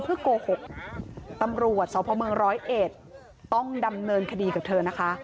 เพื่อกโกหกตำรวจสาวพระเมืองร้อยเอจต้องดำเนินคดีกับเธอนะคะ